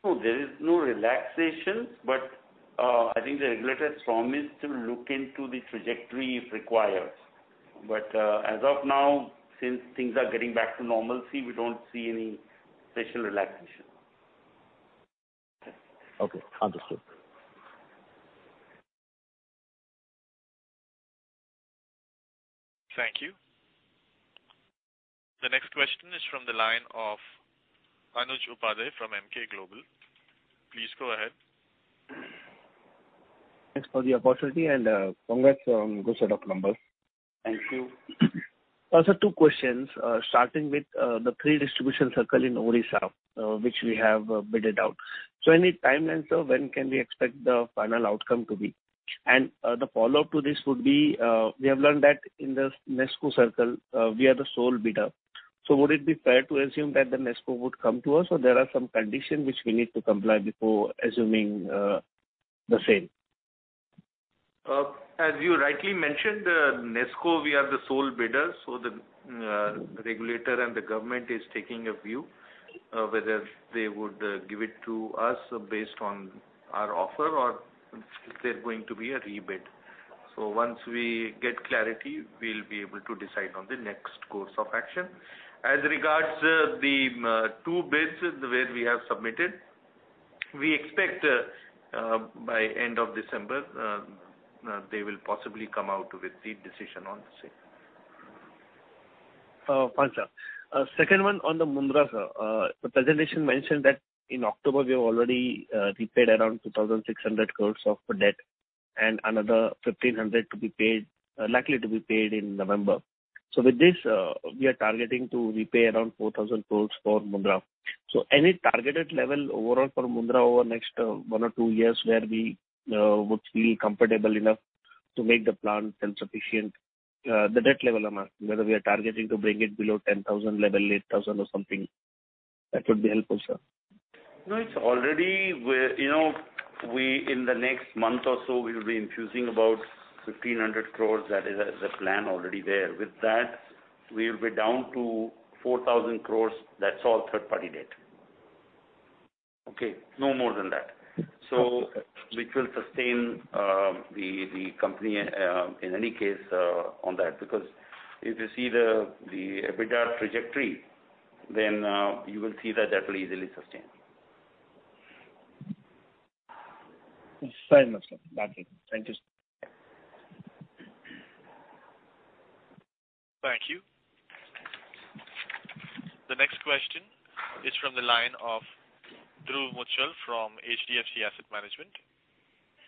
There is no relaxation, but I think the regulator has promised to look into the trajectory if required. As of now, since things are getting back to normalcy, we don't see any special relaxation. Okay. Understood. Thank you. The next question is from the line of Anuj Upadhyay from Emkay Global. Please go ahead. Thanks for the opportunity, and congrats on good set of numbers. Thank you. Sir, two questions. Starting with the three distribution circle in Odisha, which we have bidded out. Any timeline, sir, when can we expect the final outcome to be? The follow-up to this would be, we have learned that in the NESCO circle, we are the sole bidder. Would it be fair to assume that the NESCO would come to us, or there are some conditions which we need to comply before assuming the same? As you rightly mentioned, NESCO, we are the sole bidder. The regulator and the government is taking a view whether they would give it to us based on our offer, or if there's going to be a re-bid. Once we get clarity, we'll be able to decide on the next course of action. As regards the two bids where we have submitted, we expect by end of December they will possibly come out with the decision on the same. Fine, sir. Second one on the Mundra, sir. The presentation mentioned that in October we have already repaid around 2,600 crore of the debt. Another 1,500 crore likely to be paid in November. With this, we are targeting to repay around 4,000 crore for Mundra. Any targeted level overall for Mundra over the next one or two years where we would feel comfortable enough to make the plant self-sufficient, the debt level amount, whether we are targeting to bring it below 10,000 crore level, 8,000 crore or something. That would be helpful, sir. No, in the next month or so, we'll be infusing about 1,500 crores. That is the plan already there. With that, we'll be down to 4,000 crores. That's all third-party debt. Okay. No more than that. Okay. Which will sustain the company in any case on that, because if you see the EBITDA trajectory, then you will see that will easily sustain. Yes, sir. Thank you. Thank you. The next question is from the line of Dhruv Muchhal from HDFC Asset Management.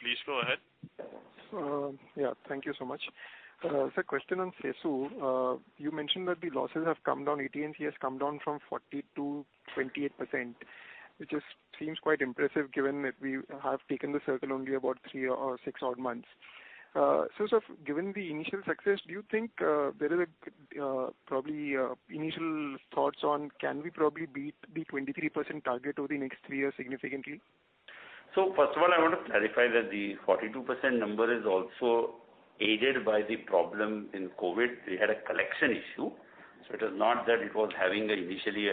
Please go ahead. Yeah, thank you so much. Sir, a question on CESU. You mentioned that the losses have come down, AT&C has come down from 40% to 28%, which just seems quite impressive given that we have taken the circle only about three or six odd months. Sir, given the initial success, do you think there is probably initial thoughts on can we probably beat the 23% target over the next three years significantly? First of all, I want to clarify that the 40% number is also aided by the problem in COVID. They had a collection issue, so it was not that it was having initially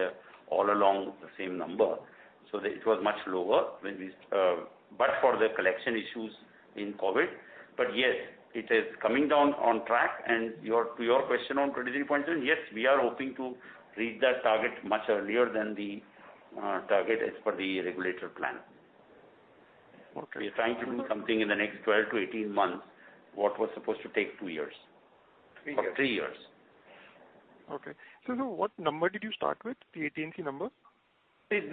all along the same number. It was much lower, but for the collection issues in COVID. Yes, it is coming down on track. To your question on 23.7%, yes, we are hoping to reach that target much earlier than the target as per the regulatory plan. Okay. We are trying to do something in the next 12-18 months, what was supposed to take two years. Three years. three years. Okay. What number did you start with, the AT&C number? This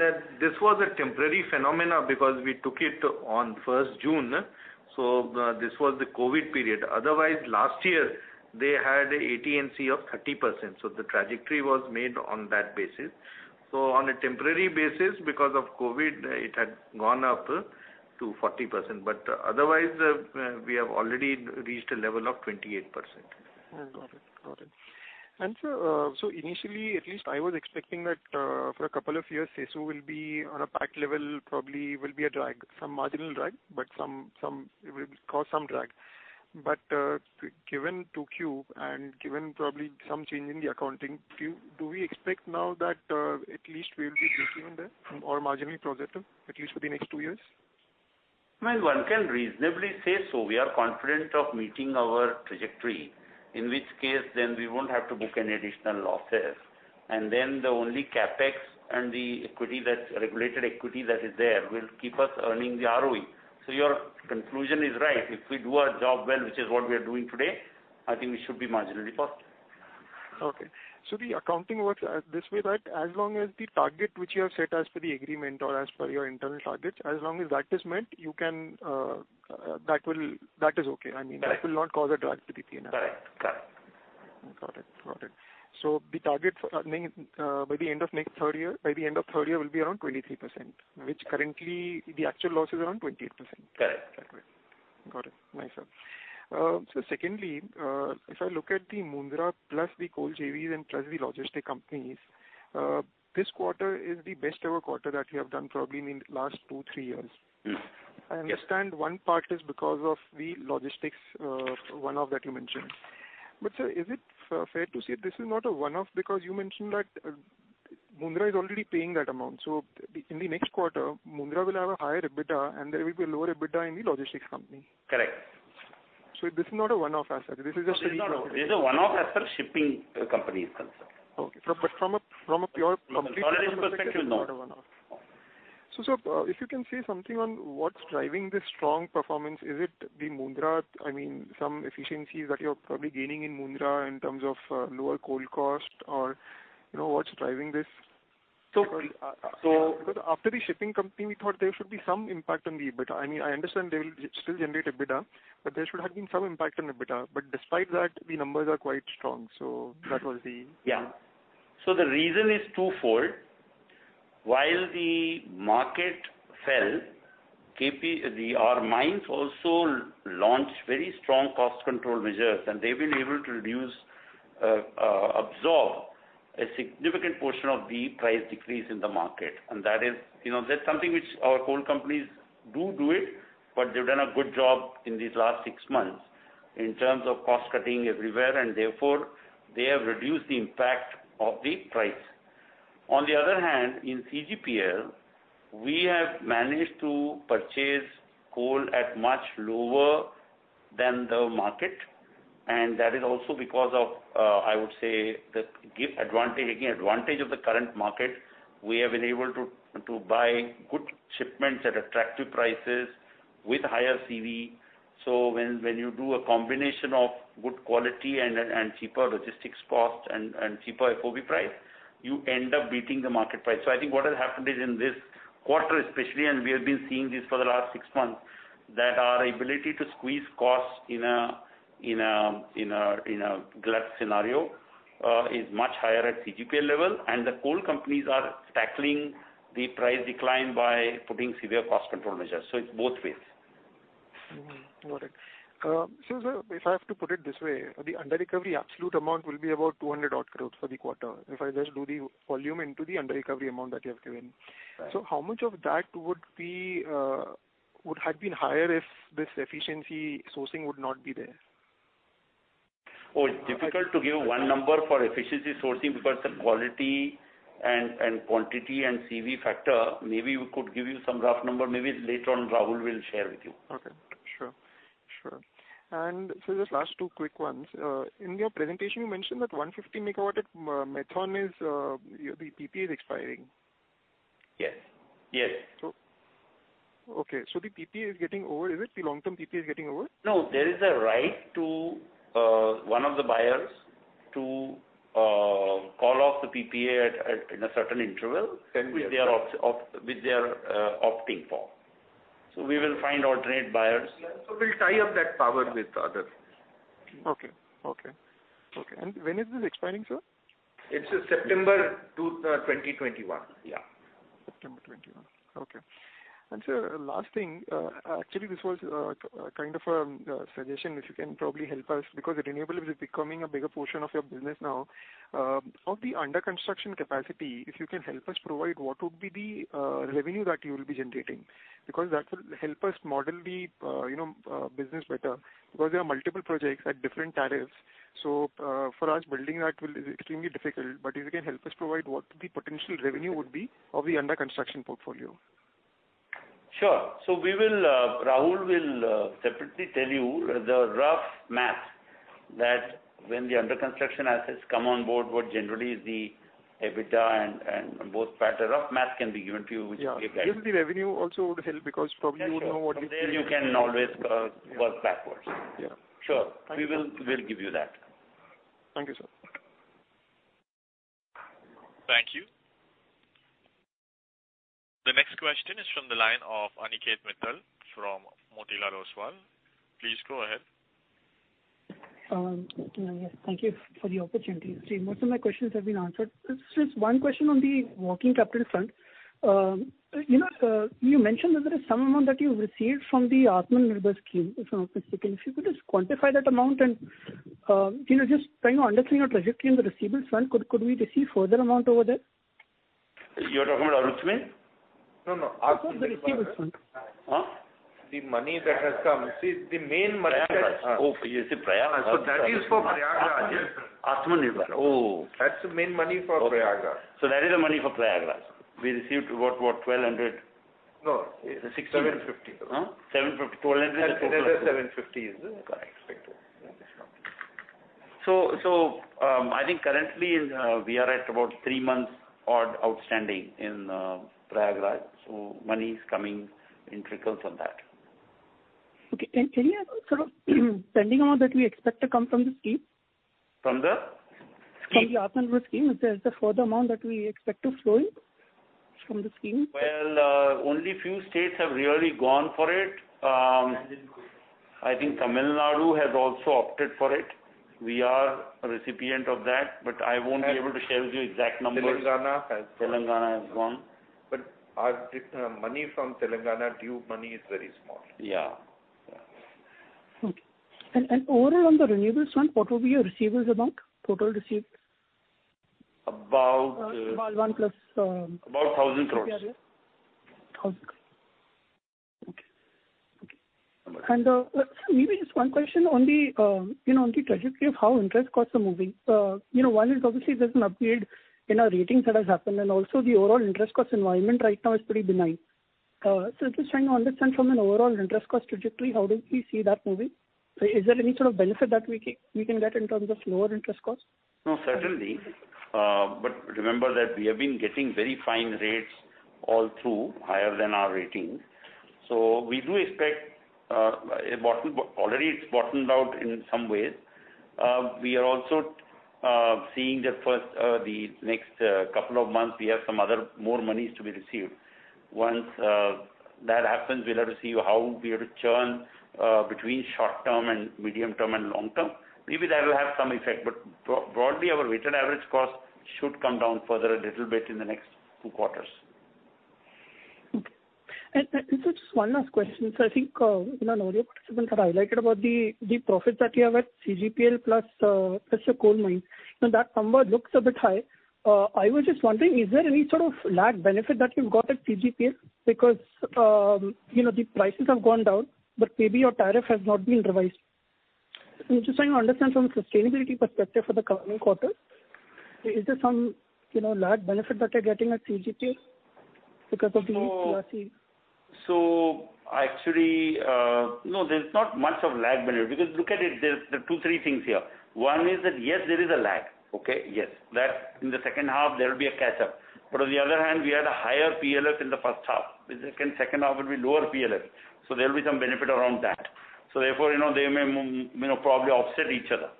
was a temporary phenomenon because we took it on June 1st, so this was the COVID period. Otherwise, last year they had AT&C of 30%. The trajectory was made on that basis. On a temporary basis, because of COVID, it had gone up to 40%, but otherwise we have already reached a level of 28%. Got it. Sir, initially, at least I was expecting that for a couple of years, CESU will be on a PAT level, probably will be a drag, some marginal drag, but it will cause some drag. Given 2Q and given probably some change in the accounting, do we expect now that at least we will be breaking even there or marginally positive, at least for the next two years? One can reasonably say so. We are confident of meeting our trajectory, in which case then we won't have to book any additional losses. The only CapEx and the regulated equity that is there will keep us earning the ROE. Your conclusion is right. If we do our job well, which is what we are doing today, I think we should be marginally positive. Okay. The accounting works this way, right? As long as the target which you have set as per the agreement or as per your internal target, as long as that is met, that is okay. Correct. That will not cause a drag to the P&L. Correct. Got it. The target by the end of third year will be around 23%, which currently the actual loss is around 28%. Correct. Got it. Nice, sir. Secondly, if I look at the Mundra plus the coal JVs and plus the logistic companies, this quarter is the best ever quarter that you have done, probably in the last two, three years. Yes. I understand one part is because of the logistics one-off that you mentioned. Sir, is it fair to say this is not a one-off because you mentioned that Mundra is already paying that amount, so in the next quarter, Mundra will have a higher EBITDA and there will be a lower EBITDA in the logistics company? Correct. This is not a one-off as such. This is just. It's a one-off as per shipping companies concerned. Okay. from a pure complete perspective. Logistics perspective, not. it's not a one-off. Sir, if you can say something on what's driving this strong performance, is it the Mundra, some efficiencies that you're probably gaining in Mundra in terms of lower coal cost or what's driving this? After the shipping company, we thought there should be some impact on the EBITDA. I understand they will still generate EBITDA, but there should have been some impact on EBITDA. Despite that, the numbers are quite strong. Yeah. The reason is twofold. While the market fell, our mines also launched very strong cost control measures and they've been able to absorb a significant portion of the price decrease in the market. That's something which our coal companies do it, but they've done a good job in these last six months in terms of cost cutting everywhere, and therefore they have reduced the impact of the price. On the other hand, in CGPL, we have managed to purchase coal at much lower than the market. That is also because of, I would say, the advantage of the current market. We have been able to buy good shipments at attractive prices with higher CV. When you do a combination of good quality and cheaper logistics cost and cheaper FOB price, you end up beating the market price. I think what has happened is in this quarter especially, and we have been seeing this for the last six months, that our ability to squeeze costs in a glut scenario is much higher at CGPL level, and the coal companies are tackling the price decline by putting severe cost control measures. It's both ways. Got it. If I have to put it this way, the under-recovery absolute amount will be about 200 odd crores for the quarter if I just do the volume into the under-recovery amount that you have given. Right. How much of that would have been higher if this efficiency sourcing would not be there? It's difficult to give one number for efficiency sourcing because the quality and quantity and CV factor, maybe we could give you some rough number. Later on, Rahul will share with you. Okay. Sure. Sir, just last two quick ones. In your presentation, you mentioned that 150 MW at Maithon, the PPA is expiring. Yes. Okay. The PPA is getting over. Is it the long-term PPA is getting over? No, there is a right to one of the buyers to call off the PPA in a certain interval. Can be which they are opting for. We will find alternate buyers. We'll tie up that power with others. Okay. When is this expiring, sir? It's September 2021. Yeah. September 2021. Okay. Sir, last thing, actually this was kind of a suggestion, if you can probably help us, because the renewable is becoming a bigger portion of your business now. Of the under-construction capacity, if you can help us provide what would be the revenue that you will be generating, because that will help us model the business better, because there are multiple projects at different tariffs. For us, building that will be extremely difficult. If you can help us provide what the potential revenue would be of the under-construction portfolio. Sure. Rahul will separately tell you the rough math that when the under-construction assets come on board, what generally is the EBITDA and both factor. Rough math can be given to you, which will give that. Yeah. Even the revenue also would help because probably we would know what. From there you can always work backwards. Yeah. Sure. Thank you. We'll give you that. Thank you, sir. Thank you. The next question is from the line of Aniket Mittal from Motilal Oswal. Please go ahead. Thank you for the opportunity. Most of my questions have been answered. Just one question on the working capital front. You mentioned that there is some amount that you've received from the Aatmanirbhar scheme, if I'm not mistaken. If you could just quantify that amount and just trying to understand your trajectory in the receivables front, could we receive further amount over there? You're talking about Aatmanirbhar? No. Aatmanirbhar. Receivables front. Huh? The money that has come. Prayagraj. Oh, you say Prayagraj. That is for Prayagraj. Aatmanirbhar. Oh. That's the main money for Prayagraj. That is the money for Prayagraj. We received, what, 1,200? No. 60? 750. Huh? 750. 1,200. 750 is the correct figure. I think currently we are at about three months odd outstanding in Prayagraj. Money is coming in trickles on that. Okay. Can you add sort of pending amount that we expect to come from the scheme? From the scheme? From the Aatmanirbhar scheme. Is there further amount that we expect to flow in from the scheme? Well, only few states have really gone for it. I think Tamil Nadu has also opted for it. We are a recipient of that, I won't be able to share with you exact numbers. Telangana has gone. Telangana has gone. Money from Telangana, due money is very small. Yeah. Okay. Overall, on the renewables front, what will be your receivables amount? Total receive. About- 1+ About 1,000 crores. Okay. Maybe just one question on the trajectory of how interest costs are moving. One is obviously there's an upgrade in our ratings that has happened, and also the overall interest costs environment right now is pretty benign. Just trying to understand from an overall interest cost trajectory, how do we see that moving? Is there any sort of benefit that we can get in terms of lower interest costs? Certainly. Remember that we have been getting very fine rates all through, higher than our ratings. We do expect, already it's bottomed out in some ways. We are also seeing that the next couple of months, we have some other more monies to be received. Once that happens, we'll have to see how we have to churn between short-term and medium-term and long-term. Maybe that will have some effect. Broadly, our weighted average cost should come down further a little bit in the next two quarters. Okay. Just one last question. I think in an earlier participant had highlighted about the profits that you have at CGPL plus your coal mine. That number looks a bit high. I was just wondering, is there any sort of lag benefit that you've got at CGPL? The prices have gone down, but maybe your tariff has not been revised. I'm just trying to understand from sustainability perspective for the coming quarter. Is there some lag benefit that you're getting at CGPL because of these? Actually, no, there's not much of lag benefit. Look at it, there are two, three things here. One is that, yes, there is a lag. Okay? Yes. That in the second half there will be a catch-up. On the other hand, we had a higher PLF in the first half. In second half will be lower PLF. There will be some benefit around that. Therefore, they may probably offset each other.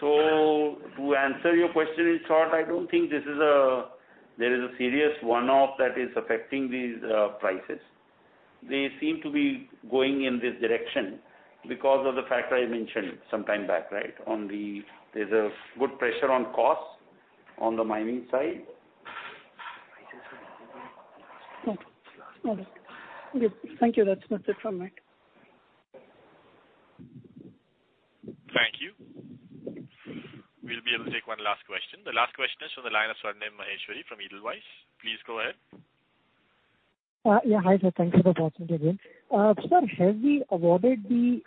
To answer your question, in short, I don't think there is a serious one-off that is affecting these prices. They seem to be going in this direction because of the factor I mentioned some time back. There's a good pressure on costs on the mining side. Okay. Thank you. That's it from me. Thank you. We'll be able to take one last question. The last question is from the line of Swarnim Maheshwari from Edelweiss. Please go ahead. Yeah. Hi, sir. Thank you for the opportunity again. Sir, have we awarded the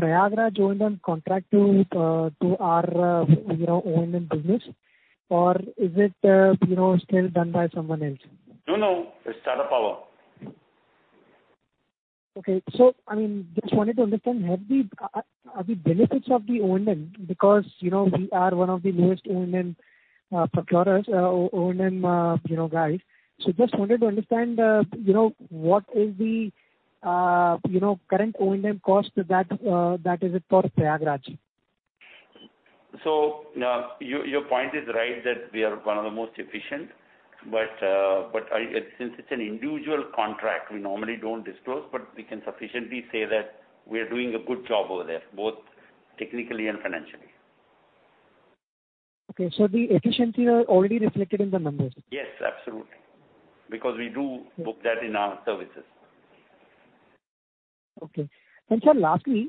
Prayagraj O&M contract to our O&M business? Is it still done by some one else? No, no, it's Tata Power. Okay. I just wanted to understand, are we benefits of the O&M because we are one of the newest O&M procurers, O&M guys. Just wanted to understand, what is the current O&M cost that is it for Prayagraj? Your point is right that we are one of the most efficient, but since it's an individual contract, we normally don't disclose, but we can sufficiently say that we are doing a good job over there, both technically and financially. Okay, the efficiency are already reflected in the numbers? Yes, absolutely. Because we do book that in our services. Okay. Sir, lastly,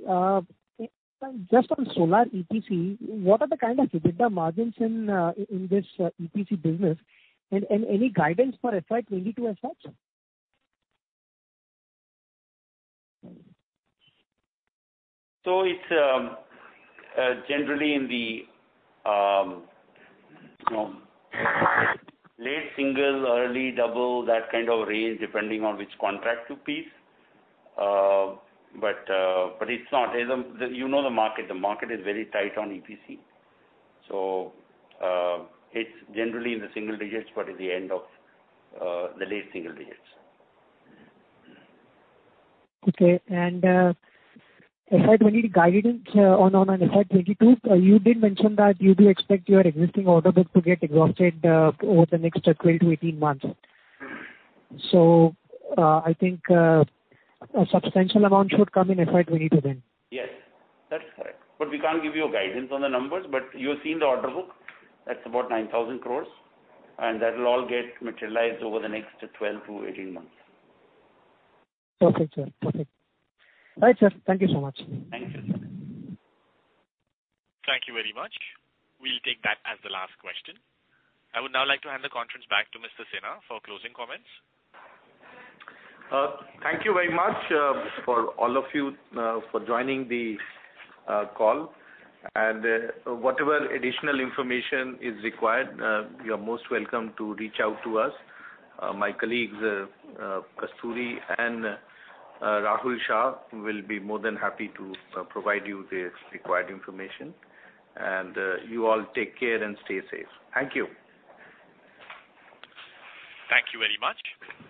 just on solar EPC, what are the kind of EBITDA margins in this EPC business, and any guidance for FY 2022 as such? It's generally in the late single, early double, that kind of range, depending on which contract to piece. You know the market. The market is very tight on EPC. It's generally in the single digits, but at the end of the late single digits. Okay. FY 2020 guidance on FY 2022, you did mention that you do expect your existing order book to get exhausted over the next 12-18 months. I think a substantial amount should come in FY 2022 then. Yes, that's correct. We can't give you a guidance on the numbers. You've seen the order book. That's about 9,000 crores, and that will all get materialized over the next 12-18 months. Perfect, sir. Perfect. All right, sir. Thank you so much. Thank you. Thank you very much. We'll take that as the last question. I would now like to hand the conference back to Mr. Sinha for closing comments. Thank you very much for all of you for joining the call. Whatever additional information is required, you are most welcome to reach out to us. My colleagues, Kasturi and Rahul Shah, will be more than happy to provide you the required information. You all take care and stay safe. Thank you. Thank you very much.